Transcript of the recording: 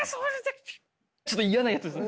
ちょっと嫌なやつですね。